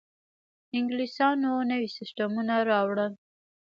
انګلیسانو نوي سیستمونه راوړل.